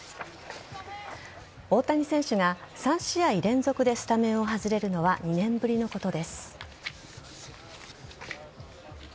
大谷選手が、３試合連続でスタメンを外れるのは２年ぶりのことです。